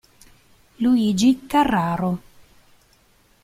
Luigi Carraro